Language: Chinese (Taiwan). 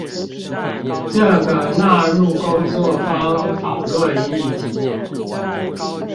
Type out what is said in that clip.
這個納入工作坊討論議題